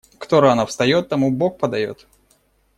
Кто рано встаёт, тому Бог подаёт.